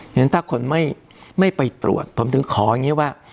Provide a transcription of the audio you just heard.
งั้นถ้าคนไม่ไปตรวจผมถึงขออย่างนี้ว่า